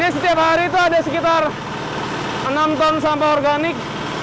setiap hari itu ada sekitar enam ton sampah organik